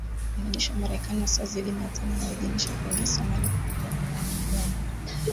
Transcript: Wanajeshi wa Marekani wasiozidi mia tano wameidhinishwa kuingia Somalia kukabiliana na wanamgambo